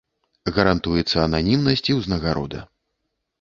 Гарантуецца ананімнасць і ўзнагарода.